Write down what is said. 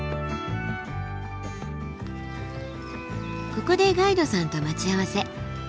ここでガイドさんと待ち合わせ。